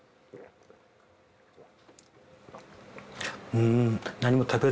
うん。